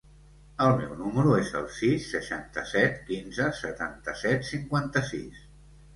El meu número es el sis, seixanta-set, quinze, setanta-set, cinquanta-sis.